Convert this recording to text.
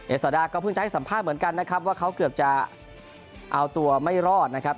ซาดาก็เพิ่งจะให้สัมภาษณ์เหมือนกันนะครับว่าเขาเกือบจะเอาตัวไม่รอดนะครับ